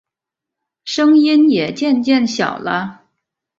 声音也渐渐小了